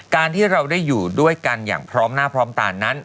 การที่เราได้อยู่ด้วยกันอย่างพร้อมหน้าพร้อมตานั้น